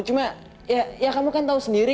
cuma ya kamu kan tahu sendiri